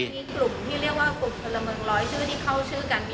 มีกลุ่มที่เรียกว่ากลุ่มพลเมืองร้อยชื่อที่เข้าชื่อกัน